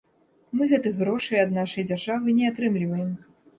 Мы гэтых грошай ад нашай дзяржавы не атрымліваем.